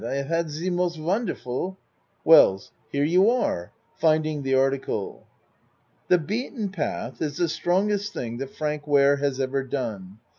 I have had ze most wonderful WELLS Here you are. (Finding the article.) "The Beaten Path" is the strongest thing that Frank Ware has ever done.